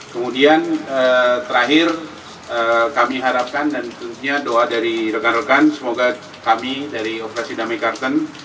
kemudian terakhir kami harapkan dan tentunya doa dari rekan rekan semoga kami dari operasi damai karten